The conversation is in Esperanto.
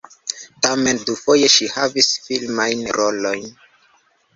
Tamen dufoje ŝi havis filmajn rolojn.